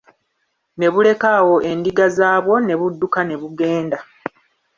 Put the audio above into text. Ne buleka awo endiga zaabwo ne budduka ne bugenda.